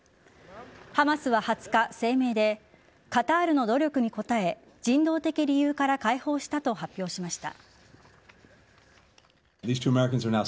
ハマスは２０日、声明でカタールの努力に応え人道的理由から解放したと発表しました。